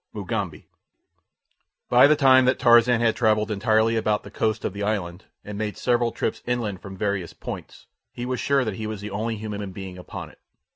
Mugambi By the time that Tarzan had travelled entirely about the coast of the island, and made several trips inland from various points, he was sure that he was the only human being upon it.